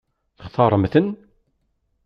Textaṛemt-ten?